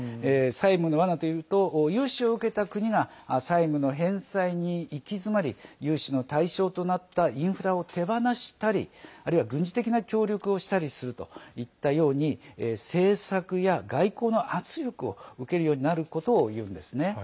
債務の罠というと融資を受けた国が債務の返済に行き詰まり融資の対象となったインフラを手放したりあるいは軍事的な協力をしたりするといったように政策や外交の圧力を受けるようになることをいうんですね。